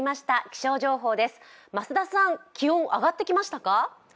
気象情報です、増田さん、気温、上がってきましたか？